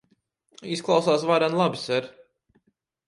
Izklausās varen labi, ser.